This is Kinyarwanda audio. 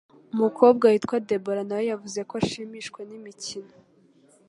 Umukobwa witwa Deborah na we yavuze ko ashimishwa n imikino